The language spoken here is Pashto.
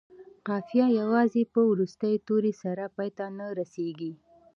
قافیه یوازې په وروستي توري سره پای ته نه رسيږي.